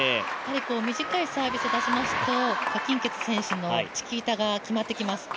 短いサービス出しますと何鈞傑選手のチキータが決まってきます。